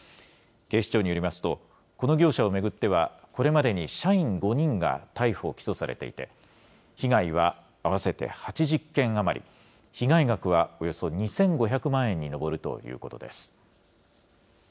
警視庁によりますと、この業者を巡っては、これまでに社員５人が逮捕・起訴されていて、被害は合わせて８０件余り、被害額はおよそ２５００万円に上るということです。